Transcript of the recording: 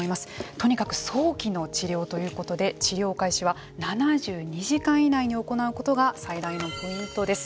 とにかく早期の治療ということで治療開始は７２時間以内に行うことが最大のポイントです。